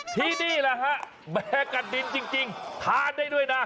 ทีนี้แล้วไปทันได้ด้วยนะ